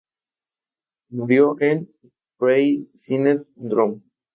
El álbum ha alcanzó el no.